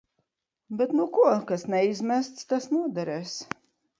Bet nu ko, kas neizmests, tas noderēs.